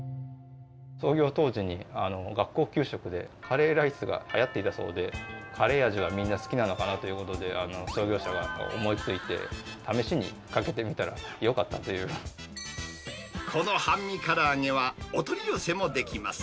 創業当時に、学校給食でカレーライスがはやっていたそうで、カレー味はみんな好きなのかなということで、創業者が思いついて、試しにかけこの半身からあげは、お取り寄せもできます。